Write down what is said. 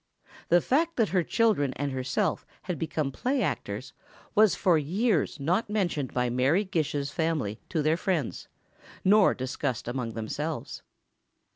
The fact that her children and herself had become play actors was for years not mentioned by Mary Gish's family to their friends—nor discussed among themselves.